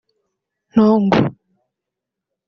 Ntongwe